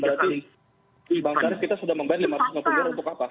berarti bang syarif kita sudah membayar rp lima ratus enam puluh miliar untuk apa